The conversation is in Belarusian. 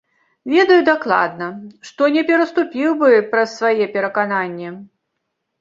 Ведаю дакладна, што не пераступіў бы праз свае перакананні.